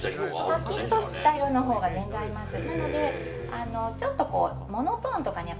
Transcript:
ぱきっとした色のほうが全然合います。